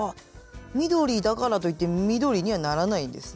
緑だからといって緑にはならないんですね。